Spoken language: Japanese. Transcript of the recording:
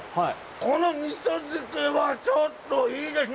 この味噌漬けは、ちょっといいですよ！